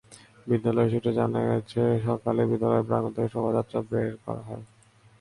বিদ্যালয় সূত্রে জানা গেছে, সকালে বিদ্যালয় প্রাঙ্গণ থেকে শোভাযাত্রা বের করা হয়।